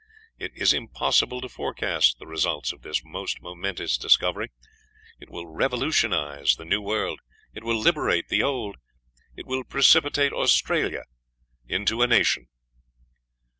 It is impossible to forecast the results of this most momentous discovery. It will revolutionise the new world. It will liberate the old. It will precipitate Australia into a nation.